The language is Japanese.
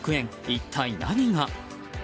一体何が？